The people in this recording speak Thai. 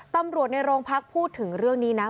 ตำรวจในโรงพักพูดถึงเรื่องนี้นะ